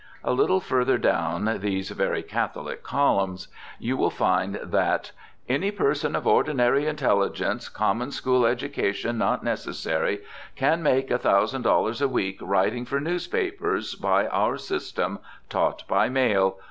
A little further down these very catholic columns you will find that: "Any person of ordinary intelligence, common school education not necessary, can make $1000 a week writing for newspapers, by our system, taught by mail.